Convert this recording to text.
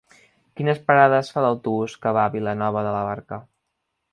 Quines parades fa l'autobús que va a Vilanova de la Barca?